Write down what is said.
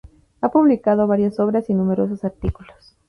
Ha publicado varias obras y numerosos artículos.